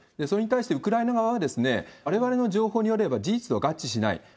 それに対してウクライナ側は、われわれの情報によれば事実と合致しない。